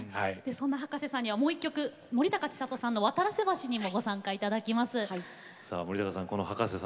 葉加瀬さんにはもう１曲森高千里さんの「渡良瀬橋」にも共演していただきます。